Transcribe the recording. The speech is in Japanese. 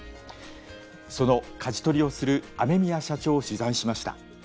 そのかじ取りをする雨宮社長を取材しました。